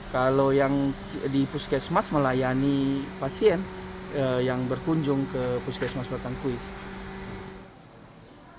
kalau yang di puskesmas melayani pasien yang berkunjung ke puskesmas batangkuis